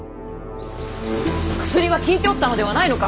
薬は効いておったのではないのか！